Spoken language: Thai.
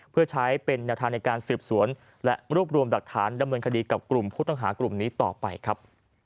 เพื่อใช้เป็นแนวทางในการสืบสวนและรวบรวมหลักฐานดำเนินคดีกับกลุ่มผู้ต้องหากลุ่มนี้ต่อไปครับ